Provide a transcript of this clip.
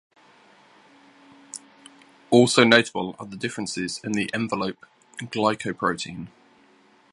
Also notable are the differences in the envelope glycoprotein.